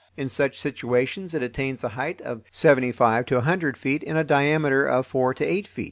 In such situations it attains a height of seventy five to a hundred feet and a diameter of four to eight feet.